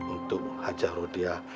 untuk hajah rodia